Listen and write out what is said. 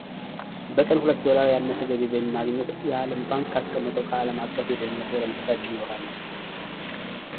በቀን ሁለት ዶላር ያነሰ ገቢ በማግኘት የዓለም ባንክ ካስቀመጠው ከዓለም አቀፍ የድህነት ወለል በታች ይኖራሉ።